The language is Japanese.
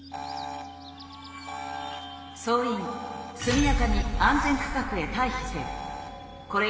「総員速やかに安全区画へ退避せよ。